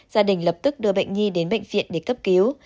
gia đình lập tức đưa bệnh nhi đến bệnh viện để cấp cứu